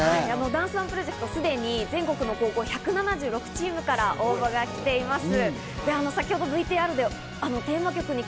ダンスＯＮＥプロジェクト、すでに全国の高校１７６チームから応募が来ています。